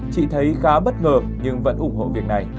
chị thấy khá bất ngờ nhưng vẫn ủng hộ việc này